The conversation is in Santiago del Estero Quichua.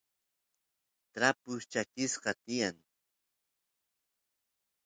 trapus chakisqa tiyan